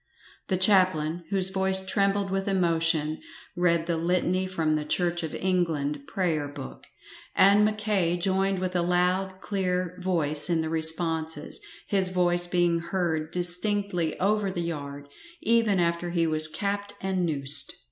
The chaplain, whose voice trembled with emotion, read the Litany from the Church of England Prayer book, and Mackay joined with a loud, clear voiee in the responses, his voice being heard distinctly over the yard, even after he was capped and noosed.